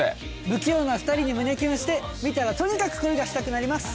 不器用な２人に胸キュンして見たらとにかく恋がしたくなります。